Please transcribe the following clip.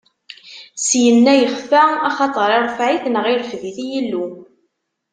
Syenna yexfa, axaṭer iṛfedɛ-it neɣ irfed-it Yillu.